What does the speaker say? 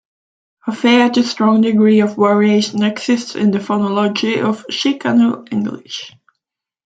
A fair to strong degree of variation exists in the phonology of Chicano English.